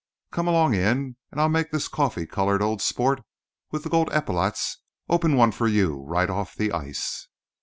Come along in, and I'll make this coffee coloured old sport with the gold epaulettes open one for you right off the ice."